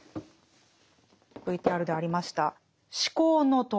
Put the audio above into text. ＶＴＲでありました「思考の徳」。